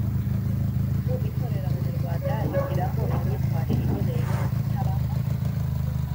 mu itorero, abanyarwanda bigiramo imyitwarire iboneye no kutaba